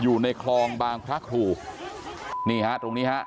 อยู่ในคลองบางพระครูนี่ฮะตรงนี้ฮะ